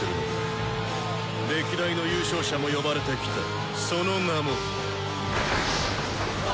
歴代の優勝者も呼ばれてきたその名も。